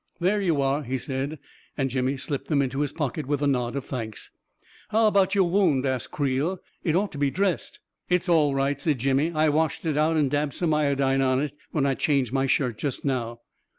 "There you are," he said, and Jimmy slipped them into his pocket with a nod of thanks. 11 How about your wound?" asked Creel. "It ought to be dressed." " It's all right," said Jimmy. " I washed it out and dabbed some iodine on it when I changed my shirt just now."